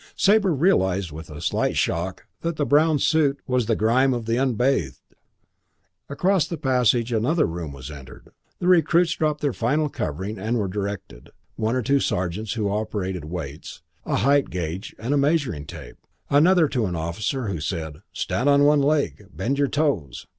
Sabre realised with a slight shock that the brown suit was the grime of the unbathed. Across the passage another room was entered. The recruits dropped their final covering and were directed, one to two sergeants who operated weights, a height gauge and a measuring tape; another to an officer who said, "Stand on one leg. Bend your toes.